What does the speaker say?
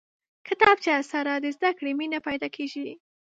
کتابچه سره د زده کړې مینه پیدا کېږي